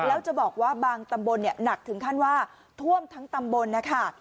แล้วจะบอกว่าบางตำบลหนักถึงขั้นว่าท่วมทั้งตำบลนะคะ